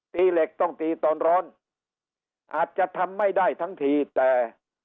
เหล็กต้องตีตอนร้อนอาจจะทำไม่ได้ทั้งทีแต่